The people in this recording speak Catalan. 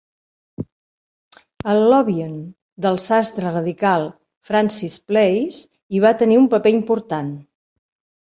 El lobbying del sastre radical Francis Place hi va tenir un paper important.